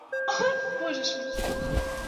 Ой боже ж мій!